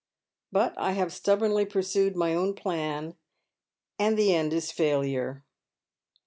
But I have stubbornly pursued my own plan, and the end is failure."